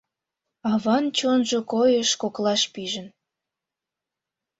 Аван чонжо койыш коклаш пижын.